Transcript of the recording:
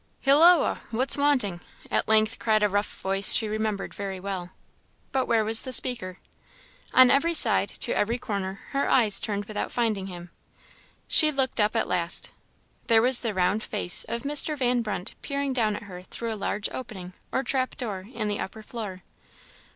"Hilloa! what's wanting?" at length cried a rough voice she remembered very well. But where was the speaker? On every side, to every corner, her eyes turned without finding him. She looked up at last. There was the round face of Mr. Van Brunt peering down at her through a large opening, or trap door, in the upper floor.